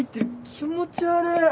気持ち悪っ！